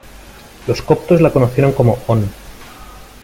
Los coptos la conocieron como "On".